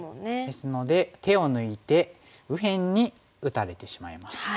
ですので手を抜いて右辺に打たれてしまいます。